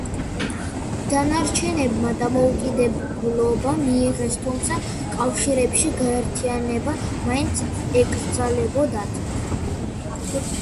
დანარჩენებმა დამოუკიდებლობა მიიღეს, თუმცა კავშირებში გაერთიანება მაინც ეკრძალებოდათ.